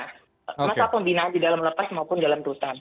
masa pembinaan di dalam lapas maupun dalam rutan